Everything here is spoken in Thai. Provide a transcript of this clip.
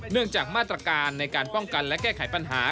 จากมาตรการในการป้องกันและแก้ไขปัญหา